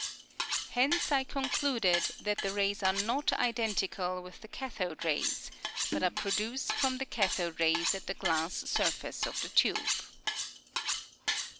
Hence, I concluded that the rays are not identical with the cathode rays, but are produced from the cathode rays at the glass surface of the tube.